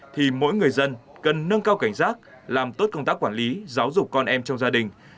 thì mỗi người dân cần nâng cao cảnh giác làm tốt công tác quản lý giáo dục con em trong gia đình